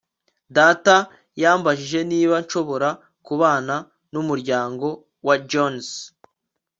data yambajije niba nshobora kubana n'umuryango wa jones